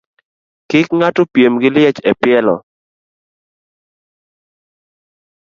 Kik ng'ato piem gi liech e pielo.